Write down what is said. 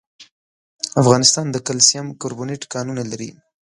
افغانستان د کلسیم کاربونېټ کانونه لري.